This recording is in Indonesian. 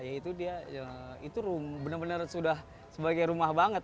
yaitu dia itu bener bener sudah sebagai rumah banget